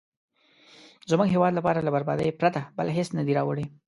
زموږ هیواد لپاره له بربادۍ پرته بل هېڅ نه دي راوړي.